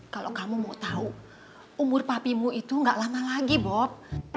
kalo kamu mau tau umur papimu itu ga lama lagi bob